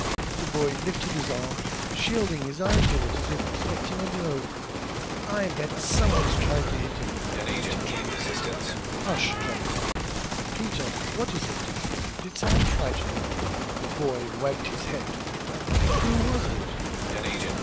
The boy lifted his arm, shielding his eyes with it as if expecting a blow. "I bet some one's tried ter hit him!" commented Johnny. "Hush, Johnny! Peter, what is it? Did some one frighten you?" The boy wagged his head. "Who was it?"